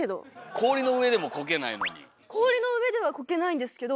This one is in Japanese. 氷の上ではこけないんですけど。